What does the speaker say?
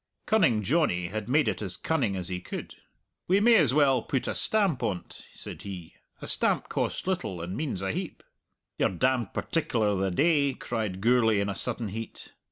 Cunning Johnny had made it as cunning as he could. "We may as well put a stamp on't," said he. "A stamp costs little, and means a heap." "You're damned particular the day," cried Gourlay in a sudden heat.